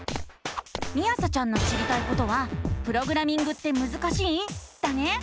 みあさちゃんの知りたいことは「プログラミングってむずかしい⁉」だね！